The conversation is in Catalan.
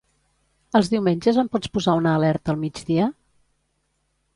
Els diumenges em pots posar una alerta al migdia?